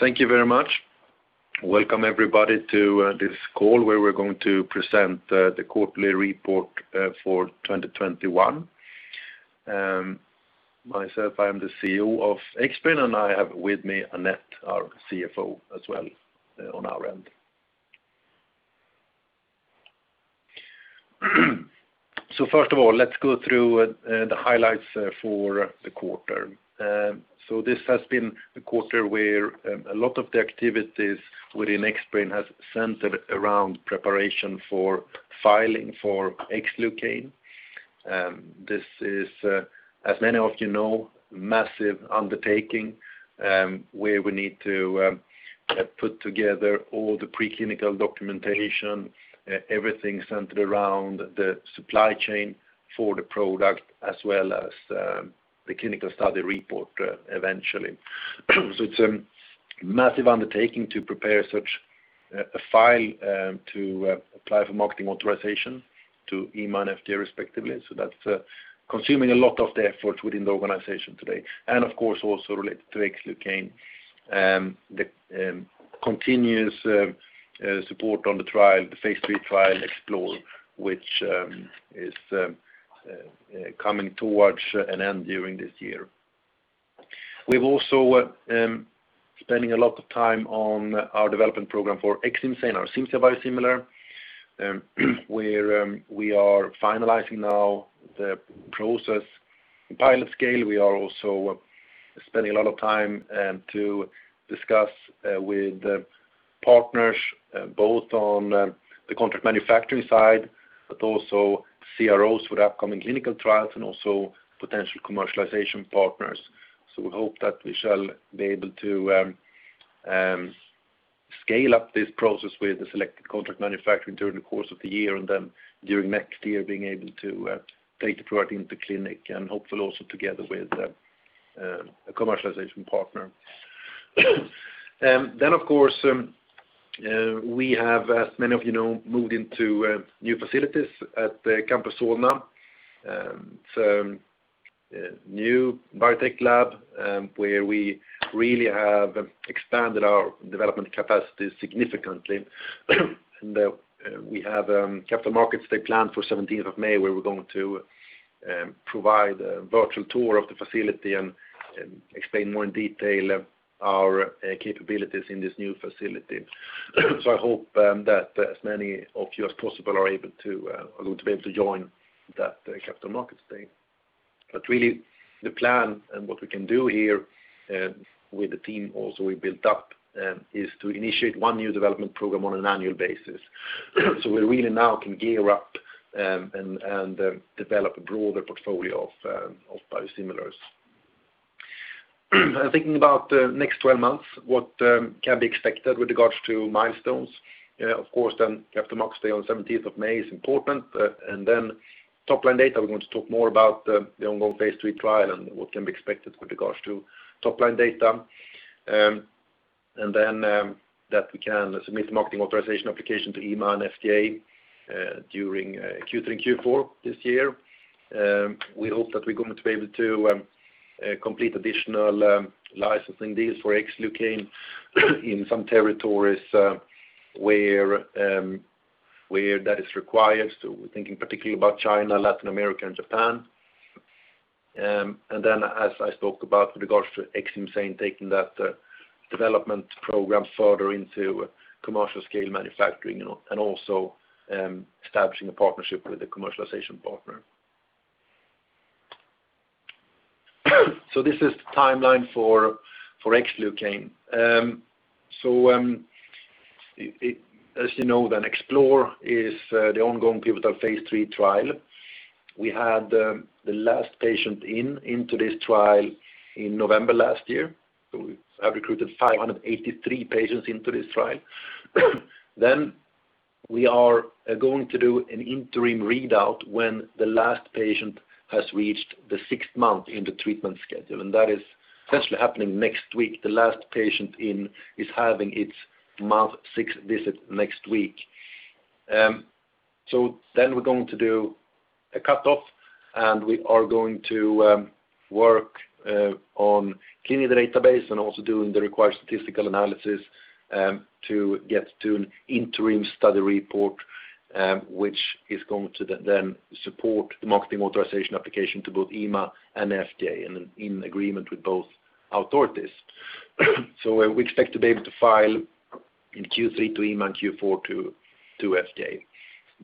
Thank you very much. Welcome everybody to this call, where we're going to present the quarterly report for 2021. Myself, I am the CEO of Xbrane, and I have with me Anette, our CFO as well on our end. First of all, let's go through the highlights for the quarter. This has been a quarter where a lot of the activities within Xbrane has centered around preparation for filing for Xlucane. This is, as many of you know, massive undertaking, where we need to put together all the preclinical documentation, everything centered around the supply chain for the product, as well as the clinical study report eventually. It's a massive undertaking to prepare such a file to apply for marketing authorization to EMA and FDA respectively. That's consuming a lot of the effort within the organization today. Of course, also related to Xlucane, the continuous support on the phase III trial XPLORE, which is coming towards an end during this year. We've also spending a lot of time on our development program for Xcimzane, our Cimzia biosimilar, where we are finalizing now the process pilot scale. We are also spending a lot of time to discuss with partners both on the contract manufacturing side, but also CROs for the upcoming clinical trials and also potential commercialization partners. We hope that we shall be able to scale up this process with the selected contract manufacturing during the course of the year, and then during next year being able to take the product into clinic and hopefully also together with a commercialization partner. Of course, we have, as many of you know, moved into new facilities at Campus Solna. It's a new biotech lab, where we really have expanded our development capacity significantly. We have a Capital Markets Day planned for 17th of May where we're going to provide a virtual tour of the facility and explain more in detail our capabilities in this new facility. I hope that as many of you as possible are able to join that Capital Markets Day. Really the plan and what we can do here with the team also we built up is to initiate one new development program on an annual basis. We really now can gear up and develop a broader portfolio of biosimilars. Thinking about next 12 months, what can be expected with regards to milestones? Of course, Capital Markets Day on 17th of May is important. Top-line data, we're going to talk more about the ongoing phase III trial and what can be expected with regards to top-line data. That we can submit marketing authorization application to EMA and FDA during Q3 and Q4 this year. We hope that we're going to be able to complete additional licensing deals for Xlucane in some territories where that is required. We're thinking particularly about China, Latin America and Japan. As I spoke about with regards to Xcimzane, taking that development program further into commercial scale manufacturing and also establishing a partnership with the commercialization partner. This is the timeline for Xlucane. As you know, XPLORE is the ongoing pivotal phase III trial. We had the last patient in this trial in November last year. We have recruited 583 patients into this trial. We are going to do an interim readout when the last patient has reached the sixth month in the treatment schedule, and that is essentially happening next week. The last patient in is having its month six visit next week. We're going to do a cutoff, and we are going to work on cleaning the database and also doing the required statistical analysis to get to an interim study report which is going to then support the marketing authorization application to both EMA and FDA and in agreement with both authorities. We expect to be able to file in Q3 to EMA and Q4 to FDA.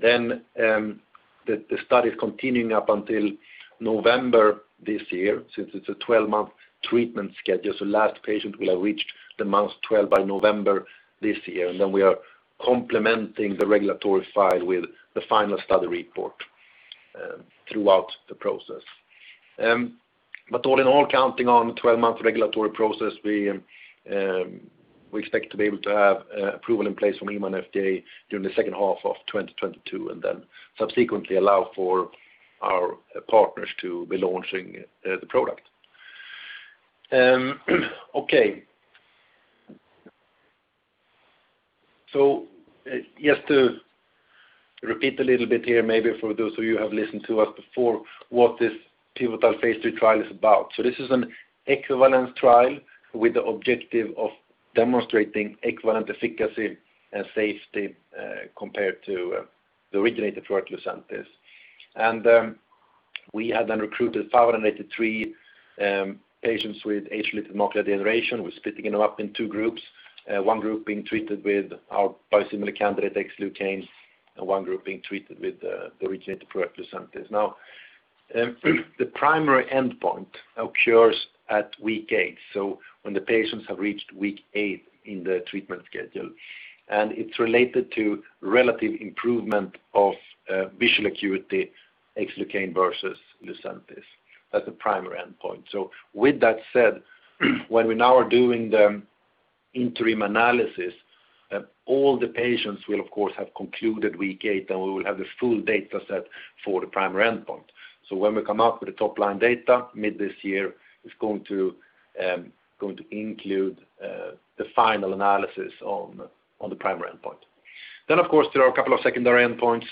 The study is continuing up until November this year, since it's a 12-month treatment schedule. Last patient will have reached the month 12 by November this year, we are complementing the regulatory file with the final study report throughout the process. All in all, counting on 12-month regulatory process, we expect to be able to have approval in place from EMA and FDA during the second half of 2022, subsequently allow for our partners to be launching the product. Just to repeat a little bit here, maybe for those of you who have listened to us before, what this pivotal phase III trial is about. This is an equivalence trial with the objective of demonstrating equivalent efficacy and safety compared to the originator product, Lucentis. We have then recruited 583 patients with age-related macular degeneration. We're splitting them up in two groups, one group being treated with our biosimilar candidate, Xlucane, and one group being treated with the originator product, Lucentis. The primary endpoint occurs at week eight, so when the patients have reached week eight in the treatment schedule. It's related to relative improvement of visual acuity, Xlucane versus Lucentis. That's the primary endpoint. With that said, when we now are doing the interim analysis, all the patients will, of course, have concluded week eight, and we will have the full data set for the primary endpoint. When we come out with the top-line data mid this year, it's going to include the final analysis on the primary endpoint. Of course, there are a couple of secondary endpoints.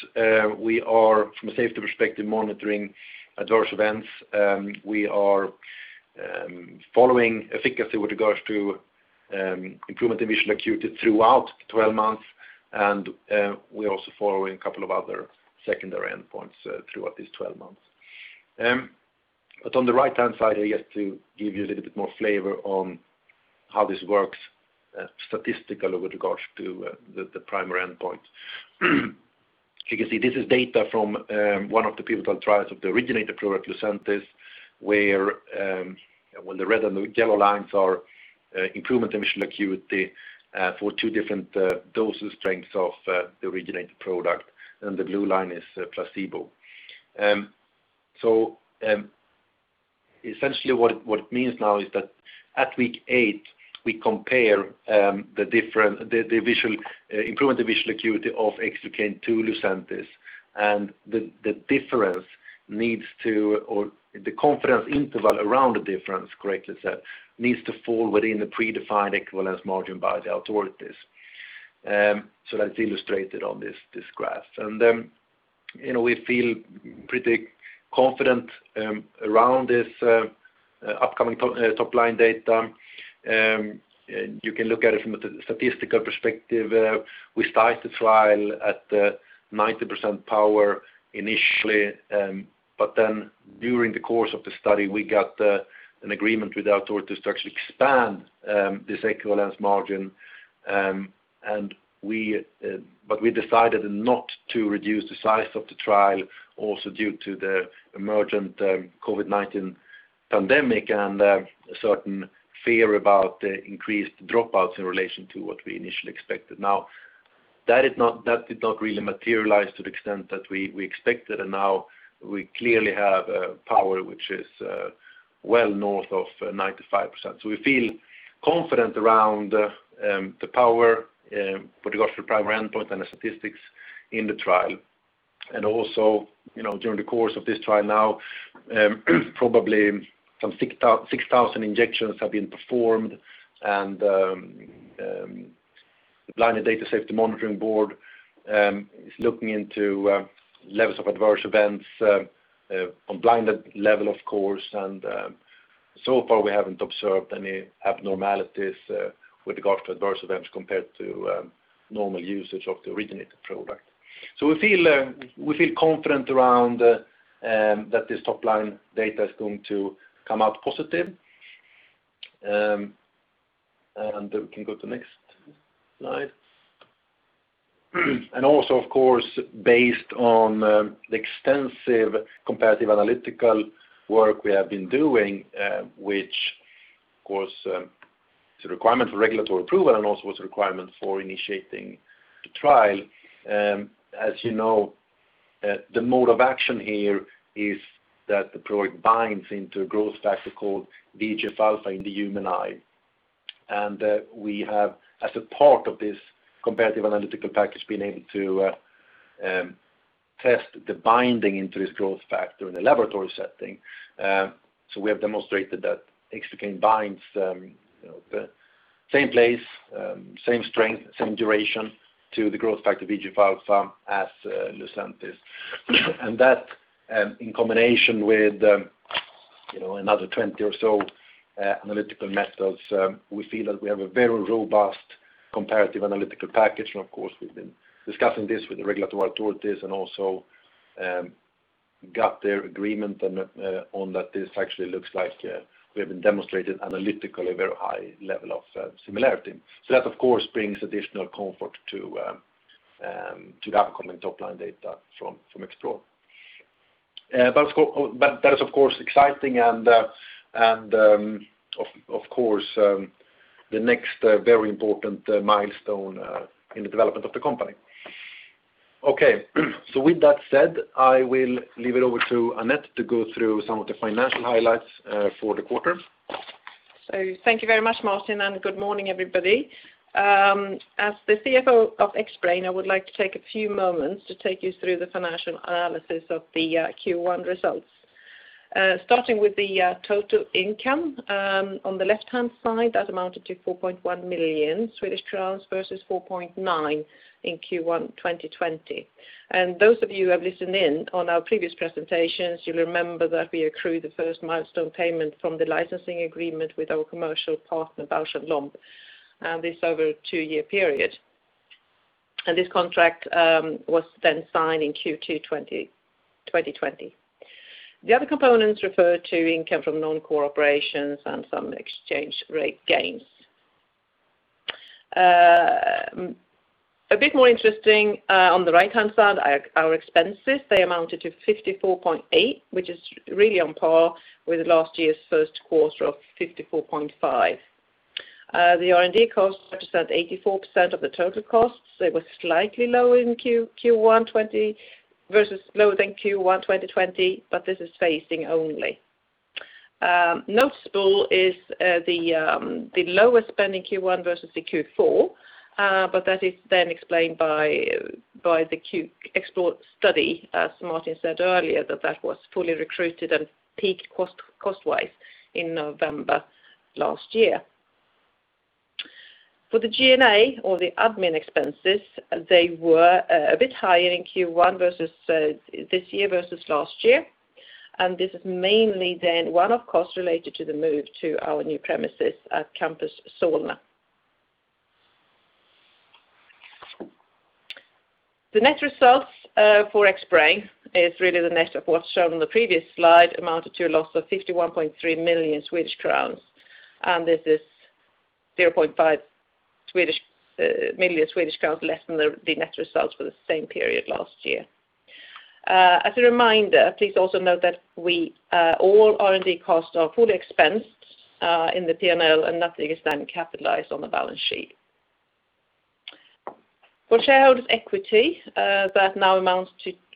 We are, from a safety perspective, monitoring adverse events. We are following efficacy with regards to improvement in visual acuity throughout 12 months, and we're also following a couple of other secondary endpoints throughout these 12 months. On the right-hand side here, just to give you a little bit more flavor on how this works statistically with regards to the primary endpoint. You can see this is data from one of the pivotal trials of the originator product, Lucentis, where the red and the yellow lines are improvement in visual acuity for two different dosage strengths of the originator product, and the blue line is placebo. Essentially what it means now is that at week eight, we compare the improvement in visual acuity of Xlucane to Lucentis, and the confidence interval around the difference, correctly said, needs to fall within the predefined equivalence margin by the authorities. That's illustrated on this graph. We feel pretty confident around this upcoming top-line data. You can look at it from a statistical perspective. We started the trial at 90% power initially. During the course of the study, we got an agreement with the authorities to actually expand this equivalence margin. We decided not to reduce the size of the trial also due to the emergent COVID-19 pandemic and a certain fear about the increased dropouts in relation to what we initially expected. Now, that did not really materialize to the extent that we expected, and now we clearly have a power which is well north of 95%. We feel confident around the power with regards to the primary endpoint and the statistics in the trial. Also, during the course of this trial now, probably some 6,000 injections have been performed. The blinded Data Safety Monitoring Board is looking into levels of adverse events on a blinded level, of course. So far we haven't observed any abnormalities with regard to adverse events compared to normal usage of the originator product. We feel confident around that this top-line data is going to come out positive. We can go to next slide. Also, of course, based on the extensive comparative analytical work we have been doing, which, of course, is a requirement for regulatory approval and also was a requirement for initiating the trial. As you know, the mode of action here is that the product binds into a growth factor called VEGF-A in the human eye. We have, as a part of this comparative analytical package, been able to test the binding into this growth factor in a laboratory setting. We have demonstrated that Xlucane binds the same place, same strength, same duration to the growth factor VEGF-A as Lucentis. That, in combination with another 20 or so analytical methods, we feel that we have a very robust comparative analytical package. Of course, we've been discussing this with the regulatory authorities and also got their agreement on that this actually looks like we have demonstrated analytically a very high level of similarity. That, of course, brings additional comfort to the upcoming top-line data from XPLORE. That is, of course, exciting and of course, the next very important milestone in the development of the company. Okay. With that said, I will leave it over to Anette to go through some of the financial highlights for the quarter. Thank you very much, Martin, and good morning, everybody. As the CFO of Xbrane, I would like to take a few moments to take you through the financial analysis of the Q1 results. Starting with the total income. On the left-hand side, that amounted to 4.1 million versus 4.9 million in Q1 2020. Those of you who have listened in on our previous presentations, you'll remember that we accrued the first milestone payment from the licensing agreement with our commercial partner, Bausch + Lomb, and this over a two-year period. This contract was signed in Q2 2020. The other components refer to income from non-core operations and some exchange rate gains. A bit more interesting, on the right-hand side, our expenses, they amounted to 54.8 million, which is really on par with last year's first quarter of 54.5 million. The R&D costs, 84% of the total costs. They were slightly lower than Q1 2020. This is phasing only. Notable is the lower spend in Q1 versus the Q4. That is then explained by the XPLORE study, as Martin said earlier, that was fully recruited and peaked cost-wise in November last year. For the G&A or the admin expenses, they were a bit higher in Q1 this year versus last year. This is mainly then one-off costs related to the move to our new premises at Campus Solna. The net results for Xbrane is really the net of what's shown on the previous slide, amounted to a loss of 51.3 million Swedish crowns. This is 0.5 million Swedish crowns less than the net results for the same period last year. As a reminder, please also note that all R&D costs are fully expensed in the P&L. Nothing is then capitalized on the balance sheet. For shareholders' equity,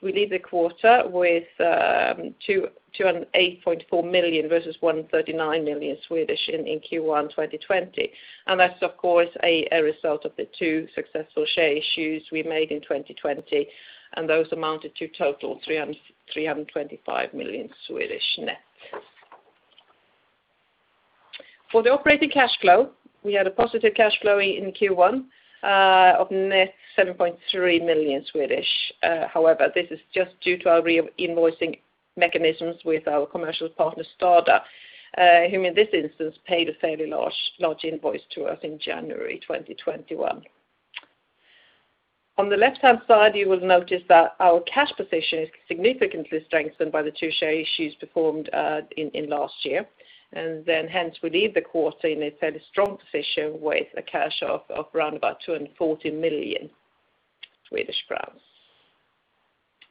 we leave the quarter with 208.4 million versus 139 million in Q1 2020. That's, of course, a result of the two successful share issues we made in 2020. Those amounted to a total 325 million net. For the operating cash flow, we had a positive cash flow in Q1 of net 7.3 million. This is just due to our re-invoicing mechanisms with our commercial partner, STADA, who in this instance, paid a fairly large invoice to us in January 2021. On the left-hand side, you will notice that our cash position is significantly strengthened by the two share issues performed in last year. Hence we leave the quarter in a fairly strong position with a cash of around about 240 million Swedish crowns.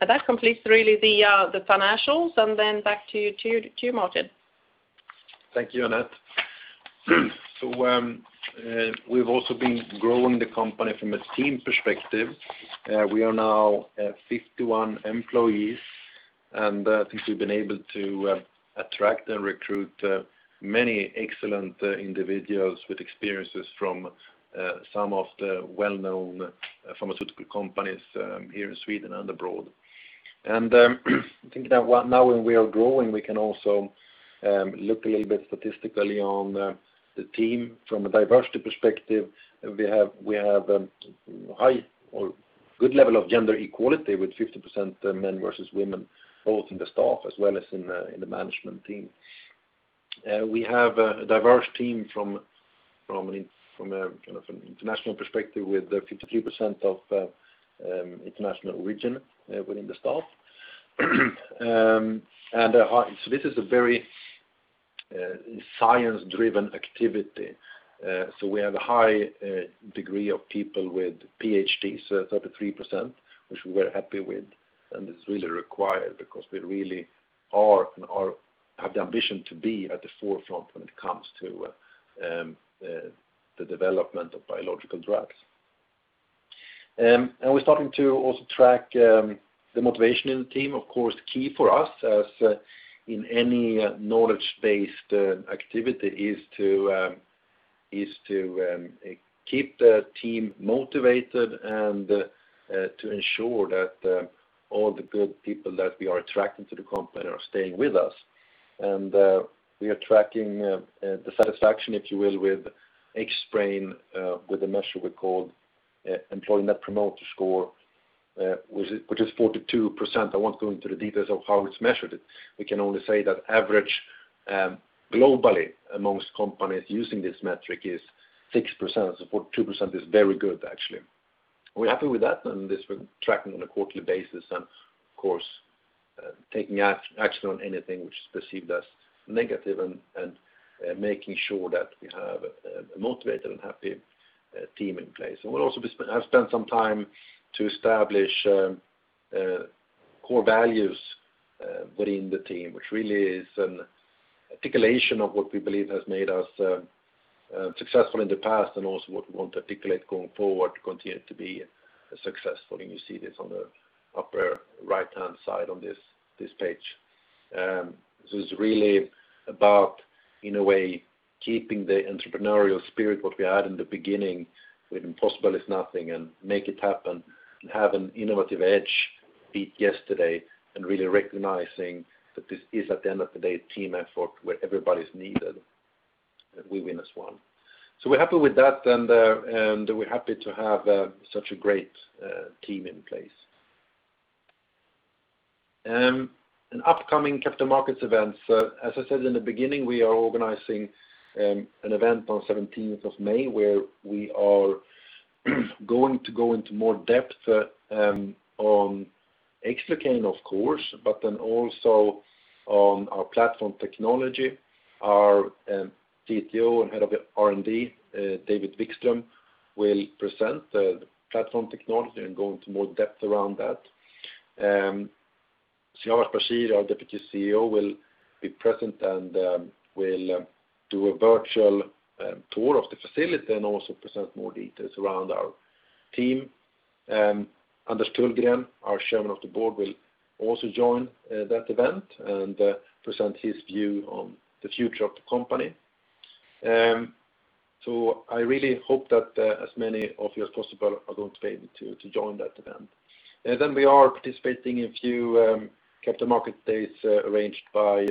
That completes really the financials, and then back to you, Martin. Thank you, Anette. We've also been growing the company from a team perspective. We are now 51 employees, and I think we've been able to attract and recruit many excellent individuals with experiences from some of the well-known pharmaceutical companies here in Sweden and abroad. I think that now when we are growing, we can also look a little bit statistically on the team from a diversity perspective. We have a high or good level of gender equality with 50% men versus women, both in the staff as well as in the management team. We have a diverse team from an international perspective with 53% of international origin within the staff. This is a very science-driven activity. We have a high degree of people with PhDs, 33%, which we're happy with, and it's really required because we really have the ambition to be at the forefront when it comes to the development of biological drugs. We're starting to also track the motivation in the team. Of course, key for us as in any knowledge-based activity is to keep the team motivated and to ensure that all the good people that we are attracting to the company are staying with us. We are tracking the satisfaction, if you will, with Xbrane with a measure we call Employee Net Promoter Score which is 42%. I won't go into the details of how it's measured. We can only say that average globally amongst companies using this metric is 6%, so 42% is very good, actually. We're happy with that, and this we're tracking on a quarterly basis and, of course, taking action on anything which is perceived as negative and making sure that we have a motivated and happy team in place. We'll also have spent some time to establish core values within the team, which really is an articulation of what we believe has made us successful in the past and also what we want to articulate going forward to continue to be successful. You see this on the upper right-hand side on this page. This is really about, in a way, keeping the entrepreneurial spirit, what we had in the beginning with impossible is nothing and make it happen and have an innovative edge, beat yesterday and really recognizing that this is, at the end of the day, a team effort where everybody's needed, and we win as one. We're happy with that, and we're happy to have such a great team in place. Upcoming capital markets events. As I said in the beginning, we are organizing an event on 17th of May, where we are going to go into more depth on Xlucane, of course, also on our platform technology. Our CTO and Head of R&D, David Vikström, will present the platform technology and go into more depth around that. Siavash Bashiri, our Deputy CEO, will be present and will do a virtual tour of the facility and also present more details around our team. Anders Tullgren, our Chairman of the Board, will also join that event and present his view on the future of the company. I really hope that as many of you as possible are going to be able to join that event. We are participating in a few capital market days arranged by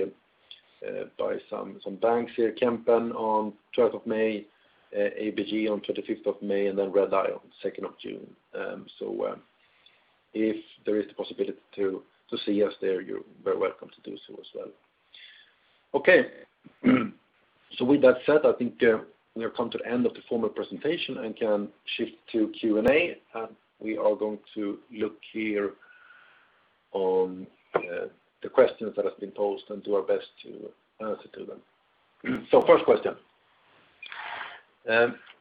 some banks here, Kempen on 12th of May, ABG on 25th of May, and Redeye on 2nd of June. If there is the possibility to see us there, you're very welcome to do so as well. Okay. With that said, I think we have come to the end of the formal presentation and can shift to Q&A. We are going to look here on the questions that have been posted and do our best to answer to them. First question.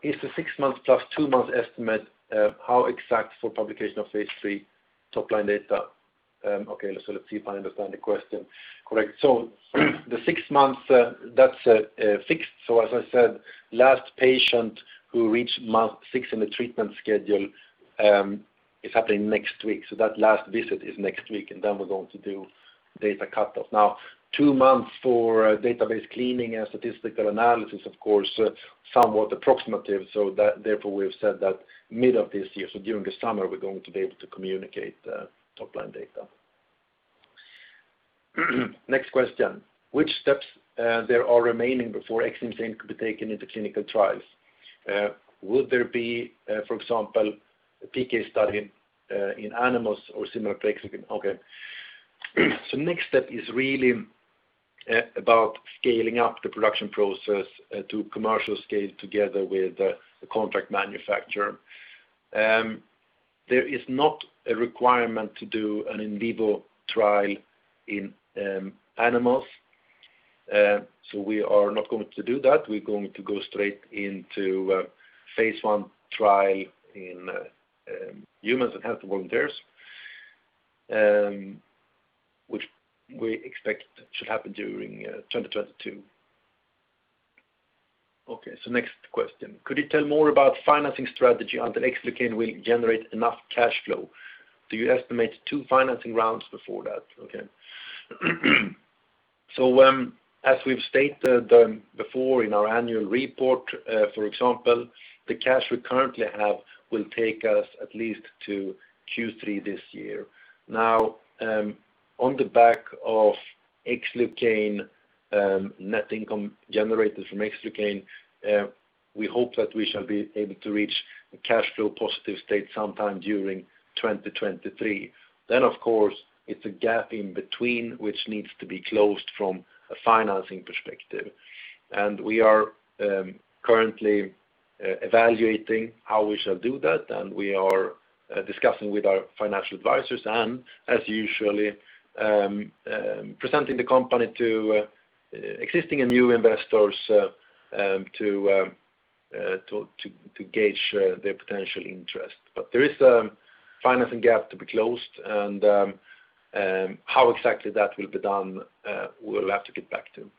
Is the six-month plus two-month estimate how exact for publication of phase III top-line data? Okay, let's see if I understand the question correct. The six months, that's fixed. As I said, last patient who reached month six in the treatment schedule is happening next week. That last visit is next week, and then we're going to do data cut-off. Two months for database cleaning and statistical analysis, of course, somewhat approximative. Therefore, we have said that mid of this year, so during the summer, we're going to be able to communicate top-line data. Next question. Which steps there are remaining before Xlucane could be taken into clinical trials? Will there be, for example, a PK study in animals or similar to Xlucane? Okay. Next step is really about scaling up the production process to commercial scale together with the contract manufacturer. There is not a requirement to do an in vivo trial in animals. We are not going to do that. We're going to go straight into phase I trial in humans and healthy volunteers, which we expect should happen during 2022. Next question. Could you tell more about financing strategy and if Xlucane will generate enough cash flow? Do you estimate two financing rounds before that? As we've stated before in our annual report, for example, the cash we currently have will take us at least to Q3 this year. On the back of Xlucane, net income generated from Xlucane, we hope that we shall be able to reach a cash flow positive state sometime during 2023. Of course, it's a gap in between, which needs to be closed from a financing perspective. We are currently evaluating how we shall do that. We are discussing with our financial advisors and as usually presenting the company to existing and new investors to gauge their potential interest. There is a financing gap to be closed, and how exactly that will be done, we'll have to get back to.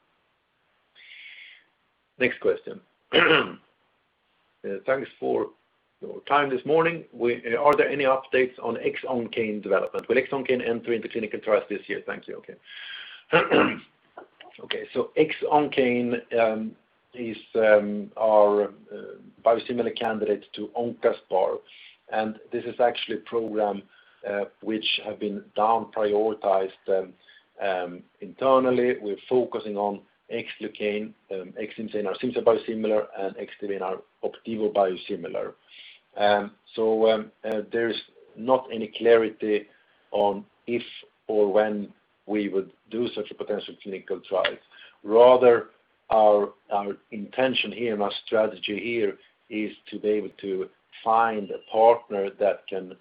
Next question. Thanks for your time this morning. Are there any updates on Xoncane development? Will Xoncane enter into clinical trials this year? Thank you. Okay. Xoncane is our biosimilar candidate to Oncaspar, and this is actually a program which has been down-prioritized internally. We're focusing on Xlucane, Xcimzane, our Cimzia biosimilar, and Xdivane, our Opdivo biosimilar. There is not any clarity on if or when we would do such potential clinical trials. Rather, our intention here and our strategy here is to be able to find a partner that can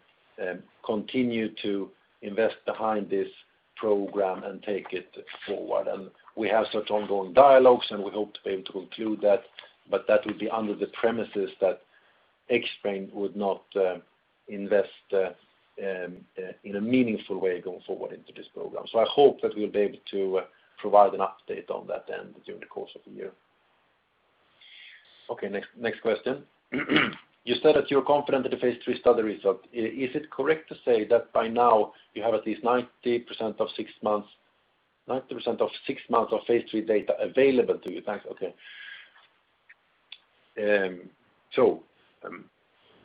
continue to invest behind this program and take it forward. We have such ongoing dialogues, and we hope to be able to conclude that, but that will be under the premises that Xbrane would not invest in a meaningful way going forward into this program. I hope that we'll be able to provide an update on that then during the course of the year. Okay, next question. You said that you're confident in the phase III study result. Is it correct to say that by now you have at least 90% of six months of phase III data available to you? Thanks. Okay.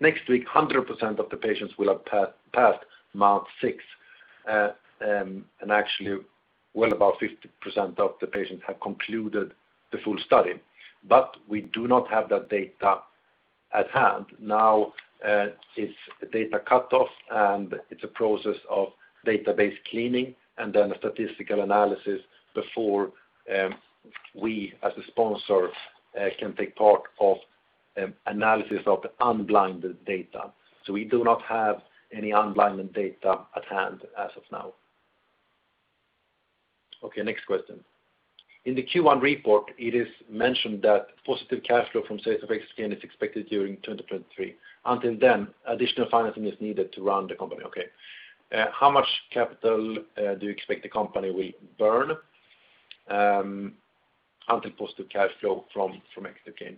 Next week, 100% of the patients will have passed month six. Actually, well above 50% of the patients have concluded the full study. We do not have that data at hand. Now it's a data cutoff, and it's a process of database cleaning and then a statistical analysis before we, as a sponsor, can take part of analysis of unblinded data. We do not have any unblinded data at hand as of now. Okay, next question. In the Q1 report, it is mentioned that positive cash flow from sales of Xlucane is expected during 2023. Until then, additional financing is needed to run the company. Okay. How much capital do you expect the company will burn until positive cash flow from Xlucane?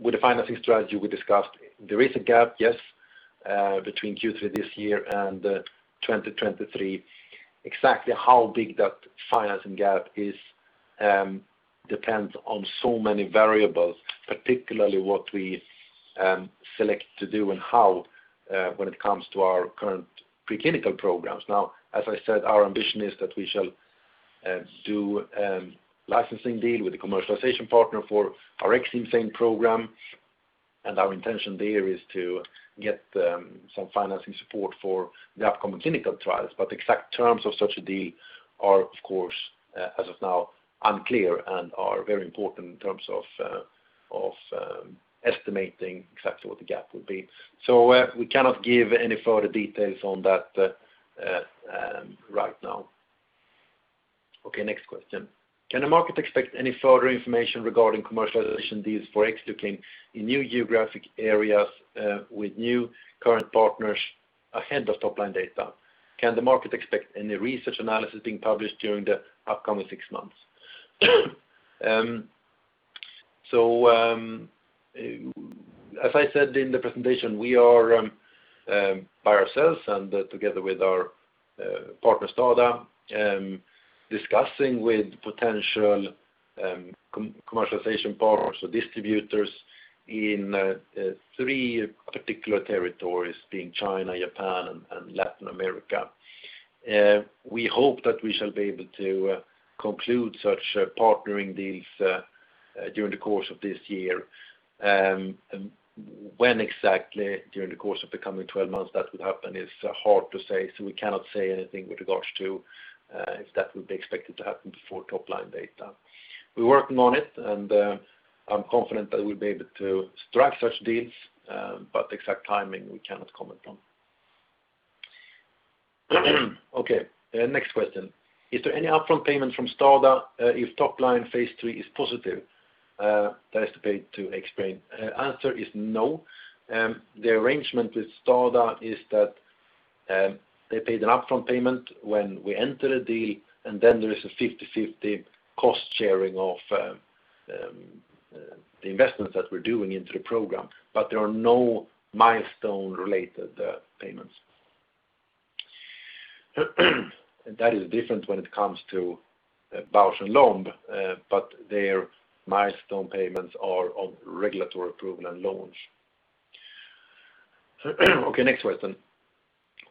With the financing strategy we discussed, there is a gap, yes, between Q3 this year and 2023. Exactly how big that financing gap is depends on so many variables, particularly what we select to do and how when it comes to our current preclinical programs. As I said, our ambition is that we shall do licensing deal with the commercialization partner for our Xlucane program, and our intention there is to get some financing support for the upcoming clinical trials. The exact terms of such a deal are, of course, as of now, unclear and are very important in terms of estimating exactly what the gap would be. We cannot give any further details on that right now. Okay, next question. Can the market expect any further information regarding commercialization deals for Xlucane in new geographic areas with new current partners ahead of top line data? Can the market expect any research analysis being published during the upcoming six months? As I said in the presentation, we are by ourselves and together with our partner, STADA Arzneimittel, discussing with potential commercialization partners or distributors in three particular territories, being China, Japan, and Latin America. We hope that we shall be able to conclude such partnering deals during the course of this year. When exactly during the course of the coming 12 months that would happen is hard to say. We cannot say anything with regards to if that would be expected to happen before top-line data. We're working on it, and I'm confident that we'll be able to strike such deals. Exact timing, we cannot comment on. Okay, next question. Is there any upfront payment from STADA if top-line phase III is positive that is to pay to Xbrane? Answer is no. The arrangement with STADA is that they paid an upfront payment when we entered a deal, and then there is a 50/50 cost-sharing of the investments that we're doing into the program. There are no milestone-related payments. That is different when it comes to Bausch + Lomb. Their milestone payments are on regulatory approval and launch. Okay, next question.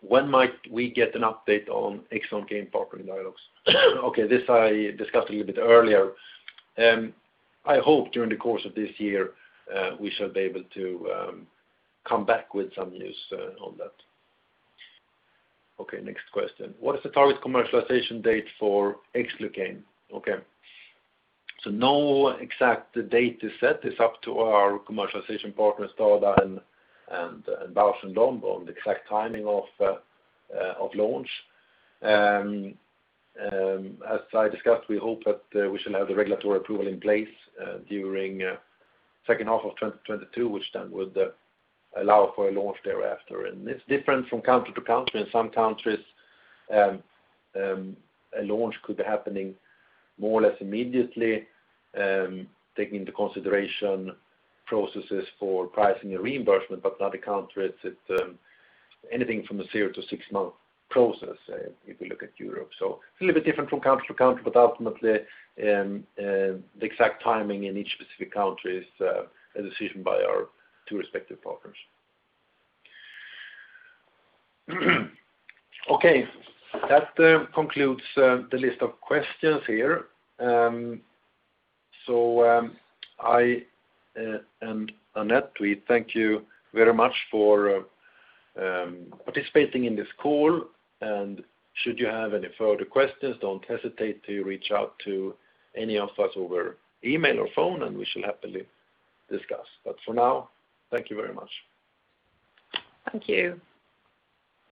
When might we get an update on Xlucane partnering dialogues? Okay, this I discussed a little bit earlier. I hope during the course of this year we shall be able to come back with some news on that. Okay, next question. What is the target commercialization date for Xlucane? Okay. No exact date is set. It's up to our commercialization partner, STADA and Bausch + Lomb, on the exact timing of launch. As I discussed, we hope that we shall have the regulatory approval in place during second half of 2022, which then would allow for a launch thereafter. It's different from country to country. In some countries, a launch could be happening more or less immediately, taking into consideration processes for pricing and reimbursement, but in other countries, it's anything from a zero to six-month process if you look at Europe. It's a little bit different from country to country, but ultimately, the exact timing in each specific country is a decision by our two respective partners. Okay. That concludes the list of questions here. I and Anette, we thank you very much for participating in this call. Should you have any further questions, don't hesitate to reach out to any of us over email or phone, and we shall happily discuss. For now, thank you very much. Thank you.